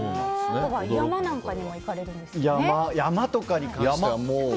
山なんかにも行かれたりするんですよね。